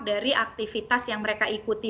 dari aktivitas yang mereka ikuti